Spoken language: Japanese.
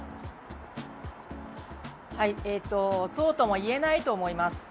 そうとも言えないと思います。